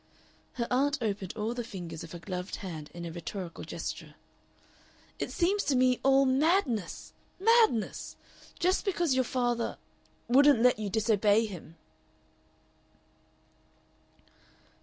Her aunt opened all the fingers of her gloved hand in a rhetorical gesture. "It seems to me all madness madness! Just because your father wouldn't let you disobey him!"